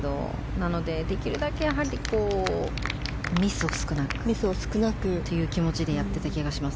なので、できるだけミスを少なくという気持ちでやっていた気がします。